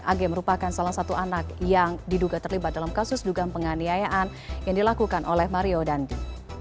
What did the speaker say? ag merupakan salah satu anak yang diduga terlibat dalam kasus dugaan penganiayaan yang dilakukan oleh mario dandi